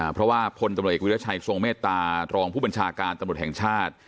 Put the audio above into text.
เพราะว่าพลตำรวจเอกวิรัชัยทรงเมตตารองผู้บัญชาการตำรวจแห่งชาติ